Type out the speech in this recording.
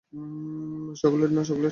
Chocolate না chocolate.